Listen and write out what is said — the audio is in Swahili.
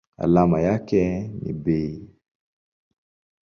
Alama yake ni Be.